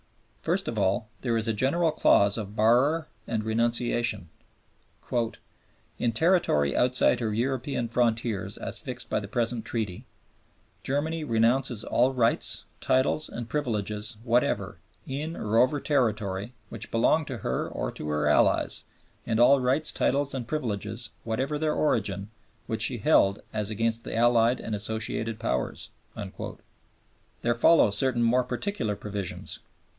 First of all there is a general clause of barrer and renunciation: "In territory outside her European frontiers as fixed by the present Treaty, Germany renounces all rights, titles and privileges whatever in or over territory which belonged to her or to her allies, and all rights, titles and privileges whatever their origin which she held as against the Allied and Associated Powers...." There follow certain more particular provisions.